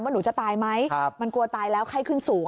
หนูจะตายไหมมันกลัวตายแล้วไข้ขึ้นสูง